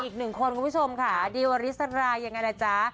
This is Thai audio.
อีกหนึ่งคนคุณผู้ชมค่ะดิวอริสรายังไงล่ะจ๊ะ